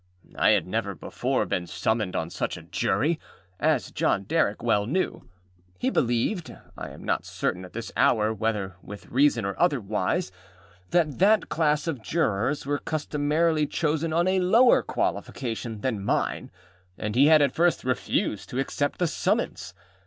I had never before been summoned on such a Jury, as John Derrick well knew. He believedâI am not certain at this hour whether with reason or otherwiseâthat that class of Jurors were customarily chosen on a lower qualification than mine, and he had at first refused to accept the summons.